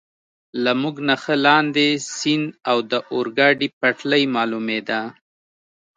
له موږ نه ښه لاندې، سیند او د اورګاډي پټلۍ معلومېده.